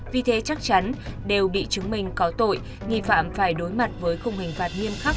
vì thế chắc chắn đều bị chứng minh có tội nghi phạm phải đối mặt với không hình phạt nghiêm khắc